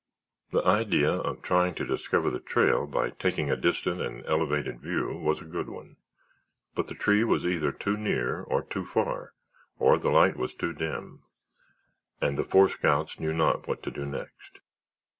The idea of trying to discover the trail by taking a distant and elevated view was a good one, but the tree was either too near or too far or the light was too dim, and the four scouts knew not what to do next.